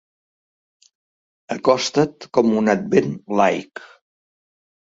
Acosta't com un Advent laic.